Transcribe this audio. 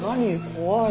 怖い。